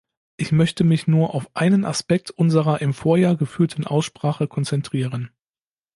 Ich möchte mich nur auf einen Aspekt unserer im Vorjahr geführten Aussprache konzentrieren.